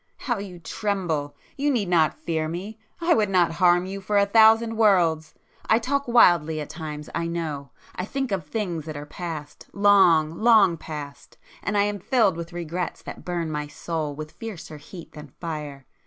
How you tremble! You need not fear me,—I would not harm you for a thousand worlds! I talk wildly at times I know;—I think of things that are past,—long long past,—and I am filled with regrets that burn my soul with fiercer heat than fire!